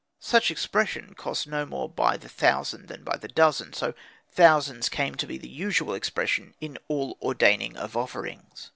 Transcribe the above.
Such expression cost no more by the thousand than by the dozen, so thousands came to be the usual expression in all ordaining of offerings.